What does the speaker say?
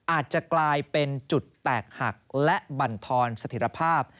อาจจะกลายเป็นจุดแตกหักและบรรทอนสถิตภาพ